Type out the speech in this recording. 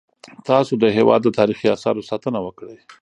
تاسو د هیواد د تاریخي اثارو ساتنه وکړئ.